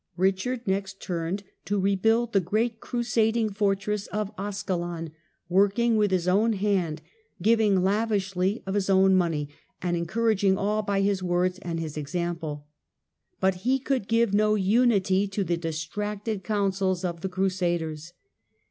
Richard next turned to rebuild the great Crusading fortress of Ascalon, working with his own hand, giving lavishly of his own money, and encouraging all by his words and his ex ample. But he could give no unity to the distracted counsels of the Crusaders.